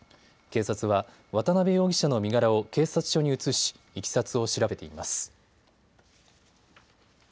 警察は渡邊容疑者の身柄を警察署に移し、いきさつを調べています。